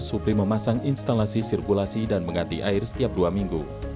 supri memasang instalasi sirkulasi dan mengganti air setiap dua minggu